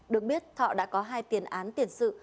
được biết thọ đã có hai tiền án tiền sự